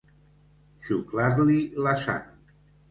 Xuclar-li la sang.